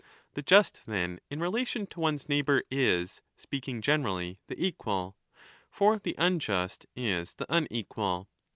The just, then, in relation to one's neighbour is, speaking generally, the equal. For the unjust is the unequal.